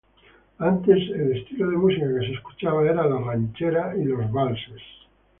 Antes el estilo de música que se escuchaba era la ranchera y valses.